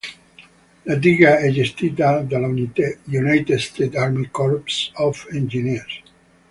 La diga è gestita dall'United States Army Corps of Engineers.